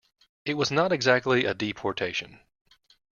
It was not exactly a deportation.